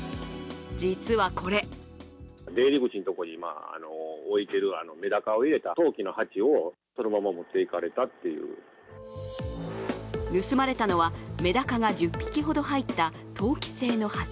実はこれ盗まれたのはめだかが１０匹ほど入った陶器製の鉢。